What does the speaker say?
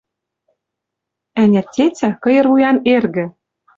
Ӓнят, тетя — кыйыр вуян эргӹ —